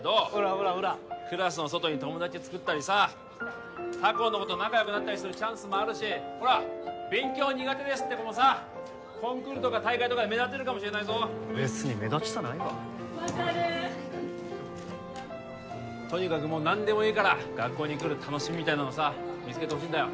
ほらほらクラスの外に友達つくったりさ他校の子と仲良くなったりするチャンスもあるしほら勉強は苦手ですって子もさコンクールとか大会とかで目立てるかもしれないぞ別に目立ちたないわ分かるとにかくもう何でもいいから学校に来る楽しみみたいなのをさ見つけてほしいんだよ